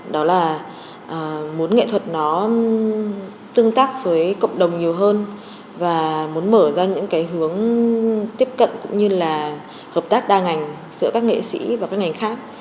đó là muốn nghệ thuật nó tương tác với cộng đồng nhiều hơn và muốn mở ra những cái hướng tiếp cận cũng như là hợp tác đa ngành giữa các nghệ sĩ và các ngành khác